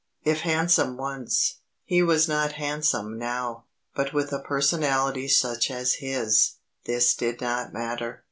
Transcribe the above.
If handsome once, he was not handsome now; but with a personality such as his, this did not matter.